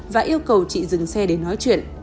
và yêu cầu chị dừng xe để nói chuyện